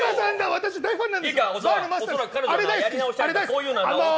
私、大ファンなんです。